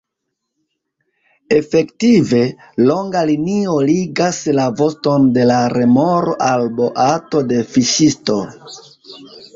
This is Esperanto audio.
Efektive, longa linio ligas la voston de la remoro al boato de fiŝisto.